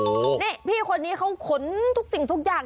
นี่พี่คนนี้เขาขนทุกสิ่งทุกอย่าง